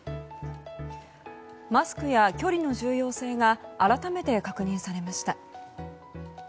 マスクや距離の重要性が改めて確認されました。